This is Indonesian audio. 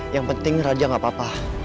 yang penting raja gak apa apa